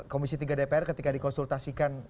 komisi tiga dpr ketika dikonsultasikan